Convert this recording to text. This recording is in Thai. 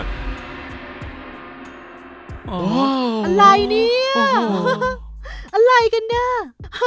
อะไรเนี่ยอะไรกันเนี่ย